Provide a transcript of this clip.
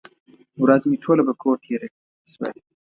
ورځ مې ټوله په کور تېره شوه.